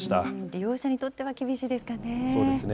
利用者にとっては厳しいですかね。